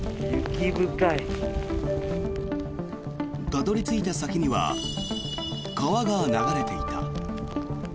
たどり着いた先には川が流れていた。